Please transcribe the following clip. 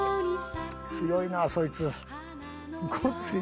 強いなそいつ。